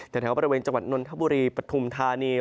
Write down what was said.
แถวบริเวณจังหวัดนนทบุรีปฐุมธานี